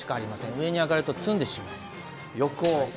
上に上がると詰んでしまいます。